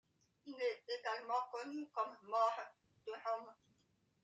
Il est également connu comme More de Rome.